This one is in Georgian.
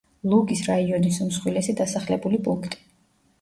ლუგის რაიონის უმსხვილესი დასახლებული პუნქტი.